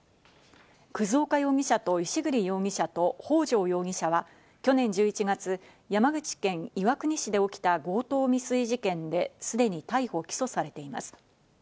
葛岡容疑者と石栗容疑者と北条容疑者は、去年１１月、山口県岩国市で起きた強盗未遂事件で、すでに逮捕・起訴されています。